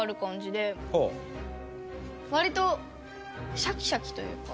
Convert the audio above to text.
割とシャキシャキというか。